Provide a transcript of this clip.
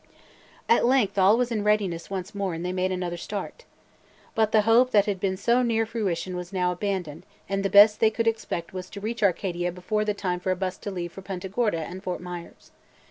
At length all was in readiness once more and they made another start. But the hope that had been so near fruition was now about abandoned, and the best they could expect was to reach Arcadia before the time for a bus to leave for Punta Gorda and Fort Myers.